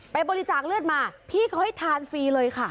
บริจาคเลือดมาพี่เขาให้ทานฟรีเลยค่ะ